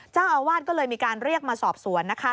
เจ้าอาวาสมีการเลยเรียกมาสอบสรวน